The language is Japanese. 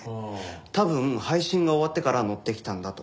多分配信が終わってから乗ってきたんだと。